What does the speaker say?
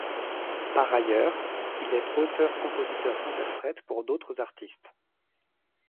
Par ailleurs, il est auteur-compositeur-interprète pour d'autres artistes.